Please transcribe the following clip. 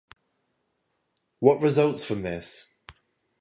What results from this?